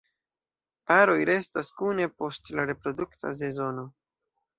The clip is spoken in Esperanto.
Paroj restas kune post la reprodukta sezono.